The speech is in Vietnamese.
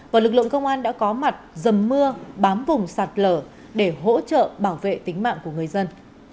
và lực lượng công an đã có mặt dầm mưa bám vùng sạt lở để hỗ trợ bảo vệ tính mạng của người dân